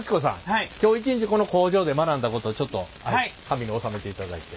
はい。今日一日この工場で学んだことをちょっと紙に収めていただいて。